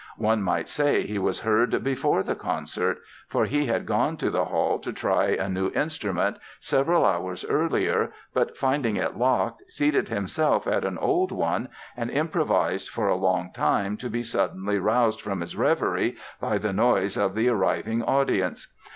One might say he was heard before the concert—for he had gone to the hall to try a new instrument several hours earlier but, finding it locked, seated himself at an old one and improvised for a long time to be suddenly roused from his revery by the noise of the arriving audience.